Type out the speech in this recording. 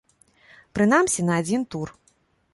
Прынамсі, на адзін тур.